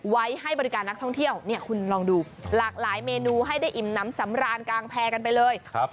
ไว้ให้บริการนักท่องเที่ยวเนี่ยคุณลองดูหลากหลายเมนูให้ได้อิ่มน้ำสำรานกลางแพร่กันไปเลย